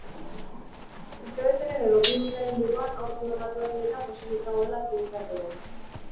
Urtebeteren edo bi urteren buruan haur klonatuak egitea posible izango dela ziurtatu du.